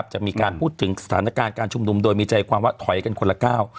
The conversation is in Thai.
จะมีการพูดถึงสถานการณ์การชุมนุมโดยมีใจความว่าถอยกันคนละก้าว